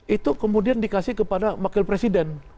itu kemudian dikasih kepada wakil presiden